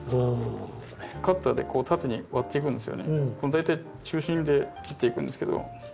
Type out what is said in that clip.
大体中心で切っていくんですけど。